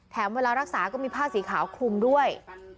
เวลารักษาก็มีผ้าสีขาวคลุมด้วย